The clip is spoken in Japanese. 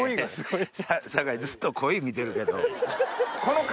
酒井ずっと鯉見てるけど。